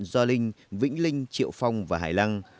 gio linh vĩnh linh triệu phong và hải lăng